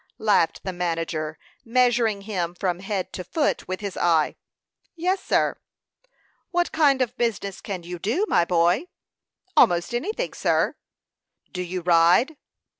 laughed the manager, measuring him from head to foot with his eye. "Yes, sir." "What kind of business can you do, my boy?" "Almost anything, sir." "Do you ride?"